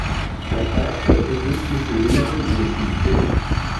Lia patro edukis lin muzike.